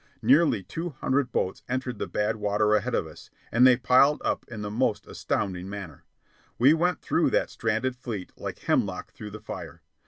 Nearly two hundred boats entered the bad water ahead of us, and they piled up in the most astounding manner. We went through that stranded fleet like hemlock through the fire.